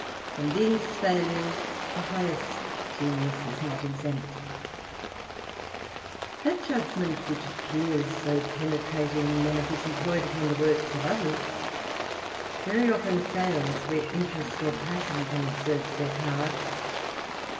From these failures the highest genius is not exempt; that judgment which appears so penetrating, when it is employed upon the works of others, very often fails where interest or passion can exert their power.